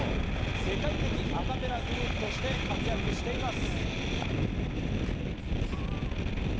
世界的アカペラグループとして活躍しています。